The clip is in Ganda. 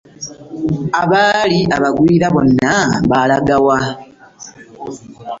Abaali abagwira bonna baalaga wa?